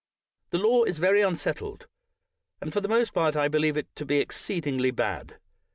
The law is very unsettled, and, for the most part, I believe it to be exceedingly bad.